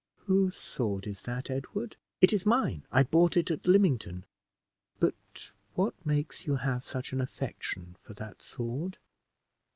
"Whose sword is that, Edward?" "It is mine; I bought it at Lymington." "But what makes you have such an affection for that sword?"